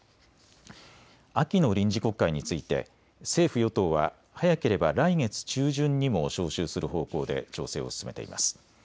秋の臨時国会について政府与党は早ければ来月中旬にも召集する方向で調整を進めています。